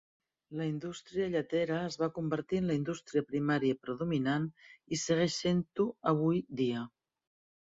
La indústria lletera es va convertir en la indústria primària predominant i segueix sent-ho avui dia.